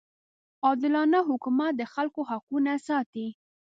عادلانه حکومت د خلکو حقونه ساتي.